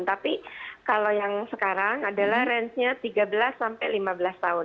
tapi kalau yang sekarang adalah rangenya tiga belas sampai lima belas tahun